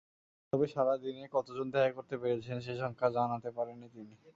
তবে সারা দিনে কতজন দেখা করতে পেরেছেন, সেই সংখ্যা জানাতে পারেননি তিনি।